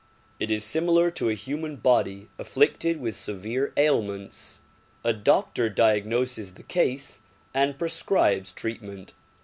It is similar to a human body afflicted with severe ailments. A doctor diagnoses the case and prescribes treatment.